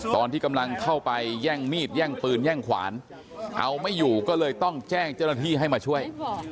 ตอนที่กำลังเข้าไปแย่งมีดแย่งปืนแย่งขวานเอาไม่อยู่ก็เลยต้องแจ้งเจ้าหน้าที่ให้มาช่วย